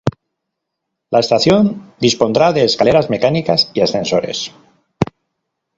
La estación dispondrá de escaleras mecánicas y ascensores.